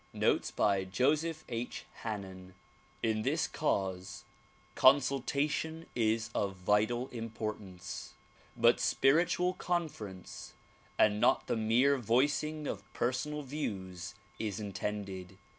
Notes by Joseph H. Hannen IN this cause, consultation is of vital importance; but spiritual conference and not the mere voicing of personal views is in tended.